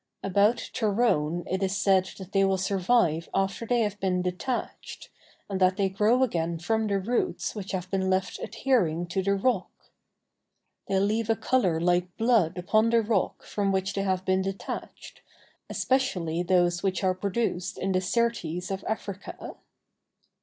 About Torone it is said that they will survive after they have been detached, and that they grow again from the roots which have been left adhering to the rock. They leave a color like blood upon the rock from which they have been detached, especially those which are produced in the Syrtes of Africa.